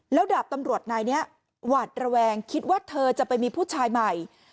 แล้วดาบตำรวจนายนี้หวาดระแวงคิดว่าเธอจะไปมีผู้ชายใหม่